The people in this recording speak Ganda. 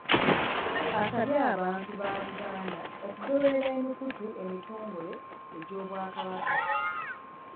Asabye abantu ba Buganda okugoberera emikutu emitongole egy'Obwakabaka